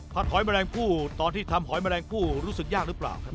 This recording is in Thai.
หอยแมลงผู้ตอนที่ทำหอยแมลงผู้รู้สึกยากหรือเปล่าครับ